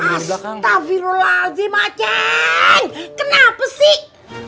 astagfirullah aceh kenapa sih